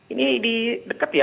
ini di dekat ya